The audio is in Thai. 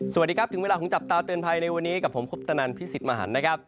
สวัสดีครับถึงเวลาของจับตาเตือนภัยในวันนี้กับผมคุปตนันพิสิทธิ์มหันนะครับ